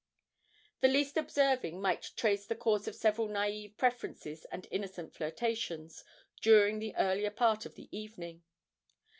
The least observing might trace the course of several naïve preferences and innocent flirtations during the earlier part of the evening.